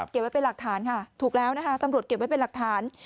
ไว้เป็นหลักฐานค่ะถูกแล้วนะคะตำรวจเก็บไว้เป็นหลักฐาน